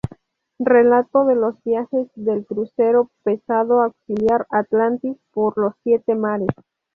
Relato de los viajes del crucero pesado auxiliar Atlantis por los siete mares".